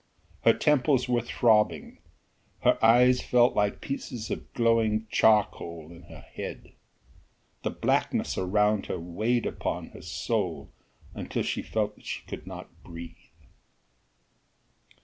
Her temples were throbbing, her eyes felt like pieces of glowing charcoal in her head. The blackness around her weighed upon her soul until she felt that she could not breathe.